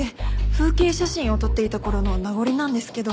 風景写真を撮っていた頃の名残なんですけど。